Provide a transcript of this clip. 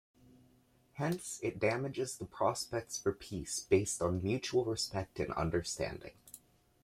Hence, it damages the prospects for peace based on mutual respect and understanding.